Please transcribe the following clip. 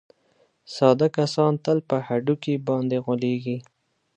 ساده کسان تل په هډوکي باندې غولېږي.